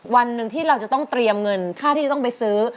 วันหนึ่งที่เราจะต้องเตรียมเงินค่าที่จะต้องไปซื้อ